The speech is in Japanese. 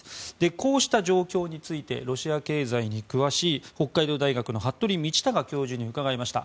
こうした状況についてロシア経済に詳しい北海道大学の服部倫卓教授に伺いました。